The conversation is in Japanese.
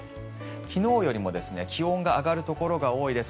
昨日よりも気温が上がるところが多いです。